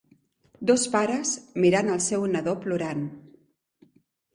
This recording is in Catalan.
Dos pares mirant el seu nadó plorant.